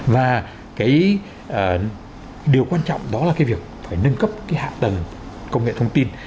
và cái điều quan trọng đó là cái việc phải nâng cấp cái hạ tầng công nghệ thông tin